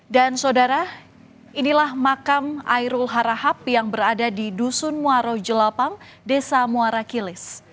dan saudara inilah makam airul harahab yang berada di dusun muarau jelapang desa muara kilis